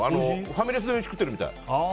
ファミレスで飯食ってるみたい。